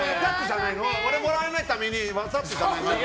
これもらえないためにわざとじゃないの？